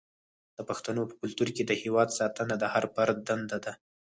د پښتنو په کلتور کې د هیواد ساتنه د هر فرد دنده ده.